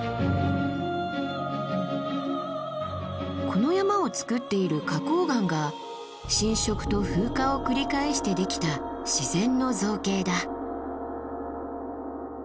この山をつくっている花崗岩が浸食と風化を繰り返してできた自然の造形だ。